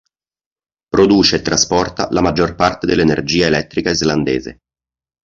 Produce e trasporta la maggior parte dell'energia elettrica islandese.